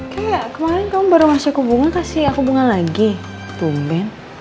kayaknya kemarin kamu baru masih hubungan kasih aku bunga lagi tungguin